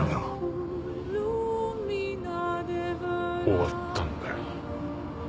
終わったんだよ。